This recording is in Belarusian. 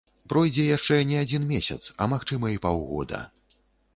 Пройдзе яшчэ не адзін месяц, а, магчыма, і паўгода.